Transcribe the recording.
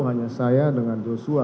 hanya saya dengan joshua